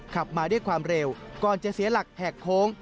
ขับมาด้วยความเร็วก่อนจะเสียหลักแหกโค้ง